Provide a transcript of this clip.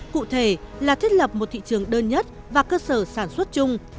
cụ thể là thiết lập một thị trường đơn nhất và cơ sở sản xuất chung